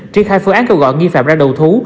triển khai phương án kêu gọi nghi phạm ra đầu thú